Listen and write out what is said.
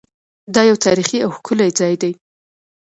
دا یو تاریخي او ښکلی ځای دی.